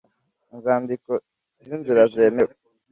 inzandiko z’inzira zemewe